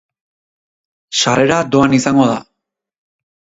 Sarrera doan izango da.